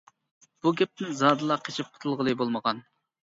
بۇ گەپتىن زادىلا قېچىپ قۇتۇلغىلى بولمىغان.